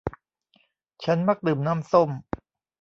ฉันมักดื่มน้ำส้ม